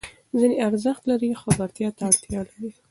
ځینې ارزښت لري او خبرتیا ته اړتیا لري.